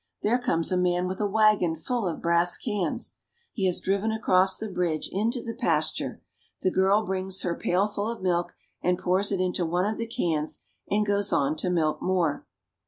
There comes a man with a wagon full of brass cans. He has driven across the bridge into the pasture, the girl brings her pailful of milk, and pours it into one of the cans, and goes on to milk more.